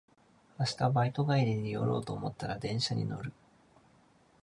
明日バイト帰り寄ろうと思ったら電車に乗る